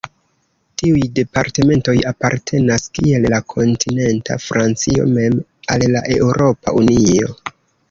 Tiuj departementoj apartenas, kiel la kontinenta Francio mem, al la Eŭropa Unio.